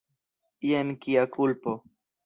Jen kia kulpo!